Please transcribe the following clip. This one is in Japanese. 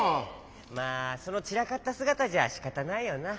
まあそのちらかったすがたじゃしかたないよな。